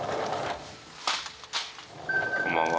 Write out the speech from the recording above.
こんばんは。